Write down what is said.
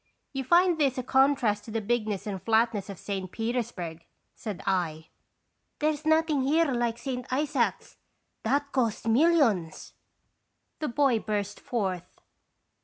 " You find this a contrast to the bigness and flatness of St. Petersburg," said I. " There 's nothing here like St. Isaac's; that cost millions," the boy burst forth.